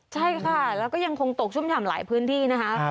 ใช่ค่ะแล้วก็ยังคงตกชุ่มฉ่ำหลายพื้นที่นะคะ